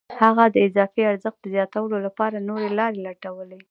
هغه د اضافي ارزښت د زیاتولو لپاره نورې لارې لټوي